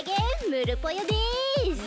ムルぽよです！